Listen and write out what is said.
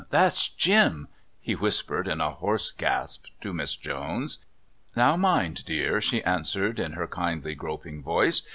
That's Jim!" he whispered in a hoarse gasp to Miss Jones. "Now mind, dear," she answered in her kindly, groping voice.